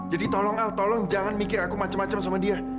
jadi tolong al tolong jangan mikir aku macam macam sama dia